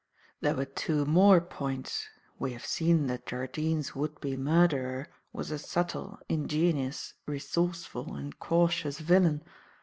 "There were two more points. We have seen that Jardine's would be murderer was a subtle, ingenious, resourceful and cautious villain.